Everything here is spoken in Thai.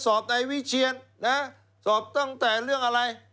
สอบในวิเชียนนะสอบตั้งแต่เรื่องอะไร